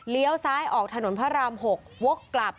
เลี้ยวซ้ายออกถนนพระราม๖วกกลับ